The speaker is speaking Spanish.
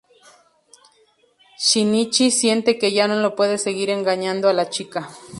Shinichi siente que ya no puede seguir engañando a la chica.